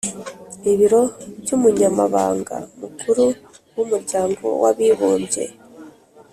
Ibiro by Umunyamabanga Mukuru w Umuryango w Abibumbye